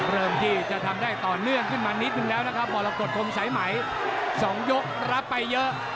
เริ่มที่จะทำได้ต่อเนื่องขึ้นมานิดนึงแล้วนะครับมรกฏคมสายไหม๒ยกรับไปเยอะ